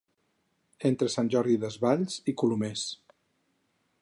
Entre Sant Jordi Desvalls i Colomers.